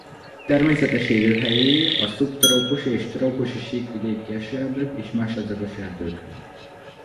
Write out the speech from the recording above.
Természetes élőhelyei a szubtrópusi és trópusi síkvidéki esőerdők és másodlagos erdők.